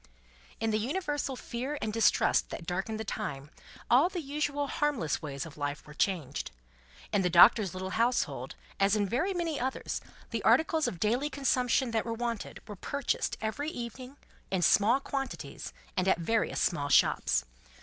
In the universal fear and distrust that darkened the time, all the usual harmless ways of life were changed. In the Doctor's little household, as in very many others, the articles of daily consumption that were wanted were purchased every evening, in small quantities and at various small shops.